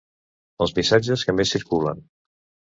Els missatgets que més circulen.